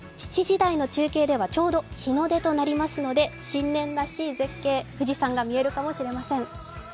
７時台の中継ではちょうど日の出となりますので新年らしい絶景富士山が見えるかもしれません。